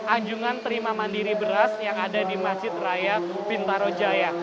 anjungan terima mandiri beras yang ada di masjid raya pintaro jaya